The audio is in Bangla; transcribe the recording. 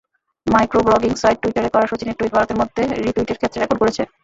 মাইক্রোব্লগিং সাইট টুইটারে করা শচীনের টুইট ভারতের মধ্যে রিটুইটের ক্ষেত্রে রেকর্ড গড়েছে।